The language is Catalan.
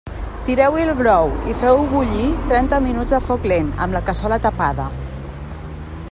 Tireu-hi el brou i feu-ho bullir trenta minuts a foc lent amb la cassola tapada.